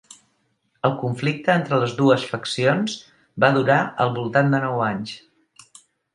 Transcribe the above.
El conflicte entre les dues faccions va durar al voltant de nou anys.